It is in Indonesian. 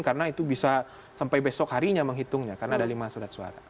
karena itu bisa sampai besok harinya menghitungnya karena ada lima surat suara